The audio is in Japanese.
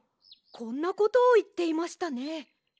こんなことをいっていましたね。